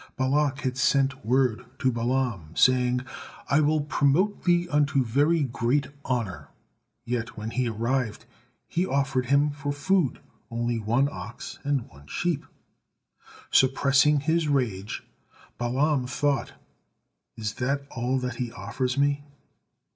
Balak had sent word to Balaam, saying, "I will promote thee unto very great honor;" yet when he arrived, he offered him for food only one ox and one sheep. Suppressing his rage, Balaam thought, "Is that all that he offers me!